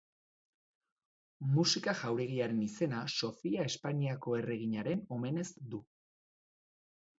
Musika Jauregiaren izena Sofia Espainiako erreginaren omenez du.